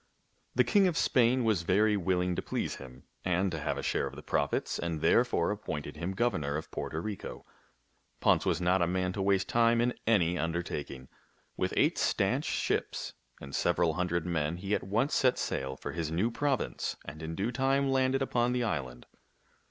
The king of Spain was very willing to please him and to have a share of the profits, and therefore appointed him governor of Porto Rico. Ponce was not a man to waste time in any undertaking. With eight stanch ships and several hundred men, he at once set sail for his new province and in due time landed upon the island.